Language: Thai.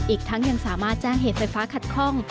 อีกทั้งยังสามารถแจ้งเหตุไฟฟ้าขัดข้อง